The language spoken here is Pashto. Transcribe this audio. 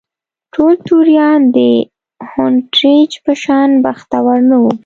ټول توریان د هونټریج په شان بختور نه وو.